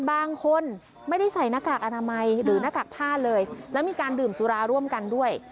บางคนไม่ได้ใส่หน้ากากอนามัยหรือหน้ากากผ้าเลยแล้วมีการดื่มสุราร่วมกันด้วย